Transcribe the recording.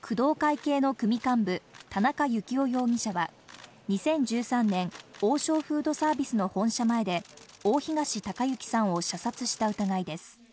工藤会系の組幹部、田中幸雄容疑者は２０１３年、王将フードサービスの本社前で大東隆行さんを射殺した疑いです。